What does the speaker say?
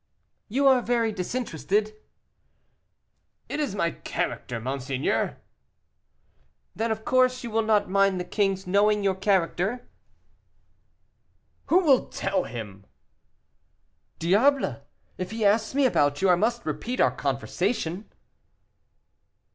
"You are very disinterested." "It is my character, monseigneur." "Then of course you will not mind the king's knowing your character?" "Who will tell him?" "Diable! if he asks me about you, I must repeat our conversation."